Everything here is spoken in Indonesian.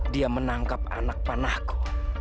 dia menangkap anak panahku